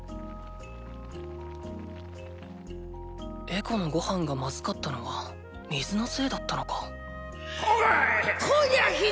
エコのご飯がまずかったのは水のせいだったのかオガッ！